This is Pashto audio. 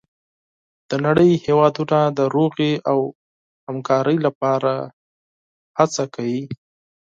د نړۍ هېوادونه د سولې او همکارۍ لپاره هڅه کوي.